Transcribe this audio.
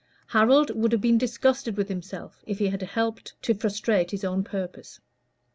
Harold would have been disgusted with himself if he had helped to frustrate his own purpose.